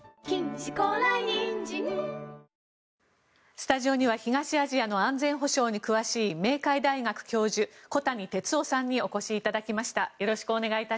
スタジオには東アジアの安全保障に詳しい明海大学教授、小谷哲男さんにお越しいただきました。